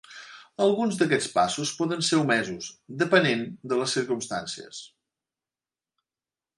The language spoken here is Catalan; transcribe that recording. Alguns d'aquests passos poden ser omesos, depenent de les circumstàncies.